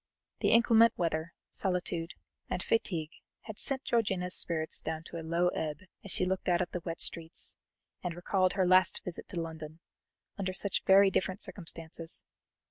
The inclement weather, solitude, and fatigue had sent Georgiana's spirits down to a low ebb as she looked out at the wet streets, and recalled her last visit to London, under such very different circumstances.